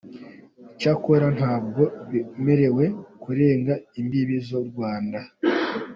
Icyakora ntabwo bemerewe kurenga imbibi z’u Rwanda.